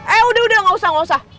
eh udah udah gak usah gak usah